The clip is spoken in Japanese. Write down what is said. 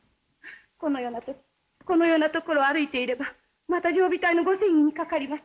このような時このような所を歩いていればまた常備隊のご詮議にかかります。